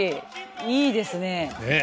いいですねえ。